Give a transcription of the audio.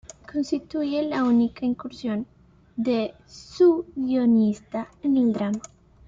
Constituye la única incursión de su guionista en el drama.